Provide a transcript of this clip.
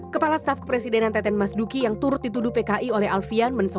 kepala staf kepresidenan teten mas duki yang turut dituduh pki oleh alfian